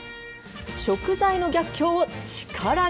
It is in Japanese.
食材の逆境をチカラに。